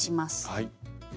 はい。